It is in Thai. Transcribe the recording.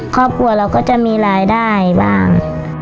ครอบครัวเราก็จะมีรายได้บ้าง